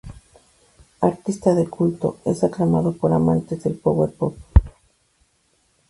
Artista de culto, es aclamado por amantes del power pop.